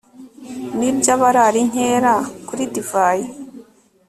ni iby'abarara inkera kuri divayi